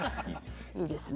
いいですね。